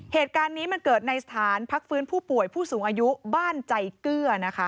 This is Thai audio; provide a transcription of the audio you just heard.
เหตุการณ์นี้มันเกิดในสถานพักฟื้นผู้ป่วยผู้สูงอายุบ้านใจเกื้อนะคะ